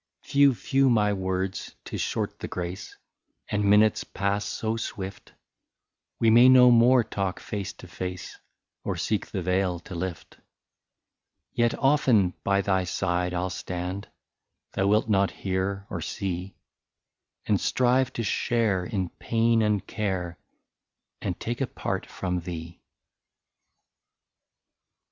" Few, few, my words — 't is short the grace And minutes pass so swift ; We may no more talk face to face, Or seek the veil to lift. '' Yet often by thy side I '11 stand — Thou wilt not hear or see — And strive to share in pain and care. And take a part from thee."